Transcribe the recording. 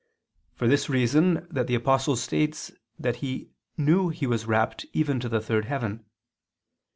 for this reason that the Apostle states that he knew he was rapt even to the third heaven.